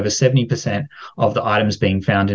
membuat lebih dari tujuh puluh